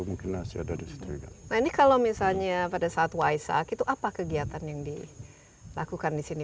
nah ini kalau misalnya pada saat waisak itu apa kegiatan yang dilakukan di sini